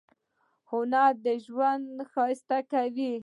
هنر ژوند ښایسته کوي